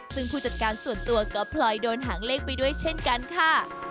ซึ่งผู้จัดการส่วนตัวก็พลอยโดนหางเลขไปด้วยเช่นกันค่ะ